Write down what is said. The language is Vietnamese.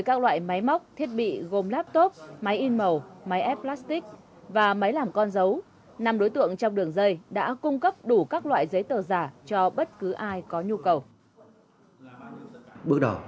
các loại máy móc thiết bị gồm laptop máy in màu máy ép plastic và máy làm con dấu năm đối tượng trong đường dây đã cung cấp đủ các loại giấy tờ giả cho bất cứ ai có nhu cầu